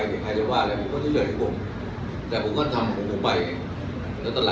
เราก็โกรธเค้าอยู่แล้วล่ะ